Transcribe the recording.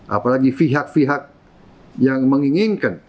apalagi pihak pihak yang menginginkan